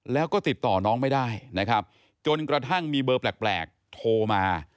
แล้วก็ติดต่อน้องไม่ได้นะครับจนกระทั่งมีเบอร์แปลกโทรมา